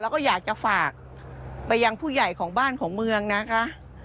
แล้วก็อยากจะฝากไปยังผู้ใหญ่ของบ้านของเมืองนะคะ